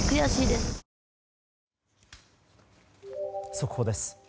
速報です。